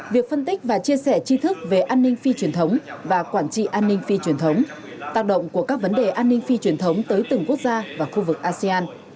việc phân tích và chia sẻ chi thức về an ninh phi truyền thống và quản trị an ninh phi truyền thống tác động của các vấn đề an ninh phi truyền thống tới từng quốc gia và khu vực asean